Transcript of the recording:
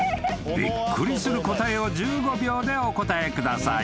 ［びっくりする答えを１５秒でお答えください］